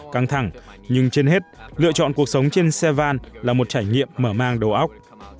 căng thẳng nhưng trên hết lựa chọn cuộc sống trên xe van là một trải nghiệm mở mang đồ óc